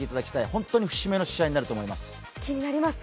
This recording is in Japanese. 本当に節目の試合になると思います。